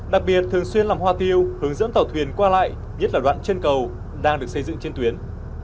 đặc biệt thường xuyên làm hoa tiêu hướng dẫn tàu thuyền qua lại nhất là đoạn chân cầu đang được xây dựng trên tuyến